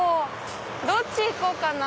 どっち行こうかな？